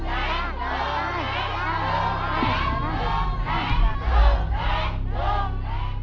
ลูกแข็ง